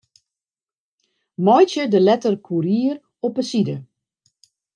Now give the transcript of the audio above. Meitsje de letters Courier op 'e side.